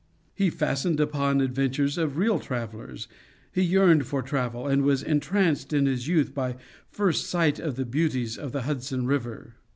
He fastened upon adventures of real travelers; he yearned for travel, and was entranced in his youth by first sight of the beauties of the Hudson River.